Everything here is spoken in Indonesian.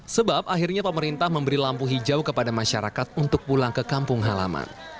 sebab akhirnya pemerintah memberi lampu hijau kepada masyarakat untuk pulang ke kampung halaman